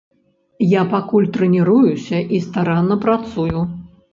Я пакуль трэніруюся і старанна працую.